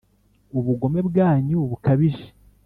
ubugome bwanyu bukabije;